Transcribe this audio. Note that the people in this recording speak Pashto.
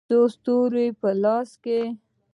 د څو ستورو په لاسو کې